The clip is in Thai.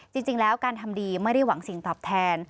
จริงแล้วการทำดีไม่ได้หวังสิ่งตอบแทน